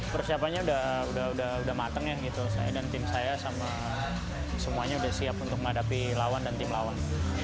persiapannya udah matang ya gitu saya dan tim saya sama semuanya udah siap untuk menghadapi lawan dan tim lawan